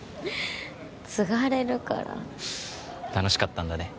つがれるから楽しかったんだね